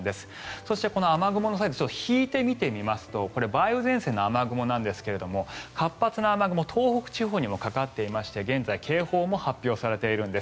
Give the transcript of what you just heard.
そしてこの雨雲を引いて見てみますとこれは梅雨前線の雨雲なんですが活発な雨雲が東北地方にもかかっていまして現在、警報も発表されているんです。